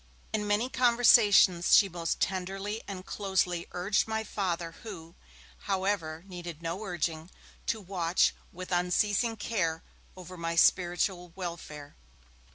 In many conversations, she most tenderly and closely urged my Father, who, however, needed no urging, to watch with unceasing care over my spiritual welfare.